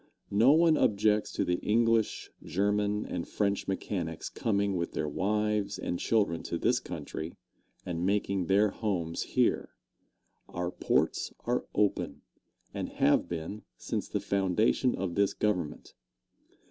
No one objects to the English, German and French mechanics coming with their wives and children to this country and making their homes here. Our ports are open, and have been since the foundation of this Government.